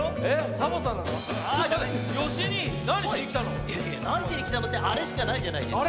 なにしにきたのってあれしかないじゃないですか。